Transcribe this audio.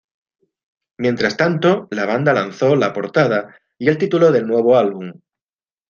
Mientras tanto, la banda lanzó la portada y el título del nuevo álbum.